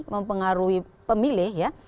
mempengaruhi pemilih ya